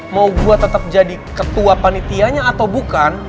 mau gue tetap jadi ketua panitianya atau bukan